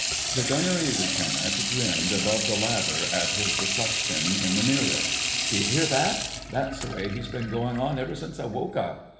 The Gunnery Lieutenant grinned above the lather at his reflection in the mirror. "D'you hear that! That's the way he's been going on ever since I woke up.